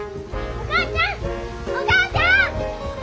お母ちゃん！